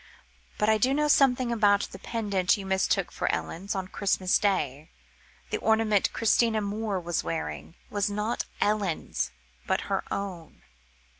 "But I do know something about the pendant you mistook for Ellen's, on Christmas Day. The ornament Christina Moore was wearing, was not Ellen's, but her own."